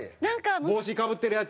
帽子かぶってるやつ？